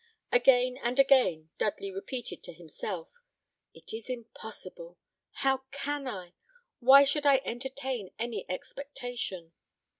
Again and again Dudley repeated to himself, "It is impossible. How can I why should I entertain any expectation?